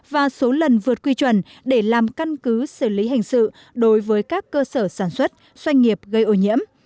và số lần vượt quy chuẩn để làm căn cứ xử lý hình sự đối với các cơ sở sản xuất xoay nghiệp gây ô nhiễm